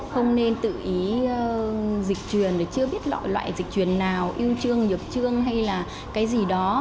không nên tự ý dịch truyền chưa biết loại loại dịch truyền nào yêu chương nhập chương hay là cái gì đó